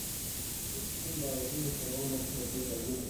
هیڅ کوم باوري موټروان راسره جوړ رانه غی.